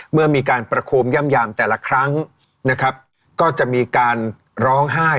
เมื่อมีการประโคมย่ำยามแต่ละครั้งนะครับก็จะมีการร้องไห้